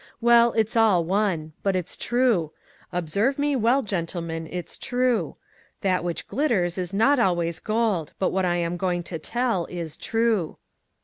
Well, it's all one. But it's true. Observe me well, gentlemen, it's true. That which glitters is not always gold; but what I am going to tell, is true.